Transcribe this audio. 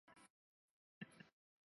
北魏绎幕县属于东清河郡。